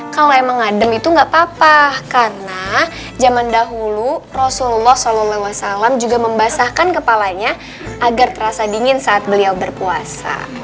kalau emang adem itu gak apa apa karena zaman dahulu rasulullah saw juga membasahkan kepalanya agar terasa dingin saat beliau berpuasa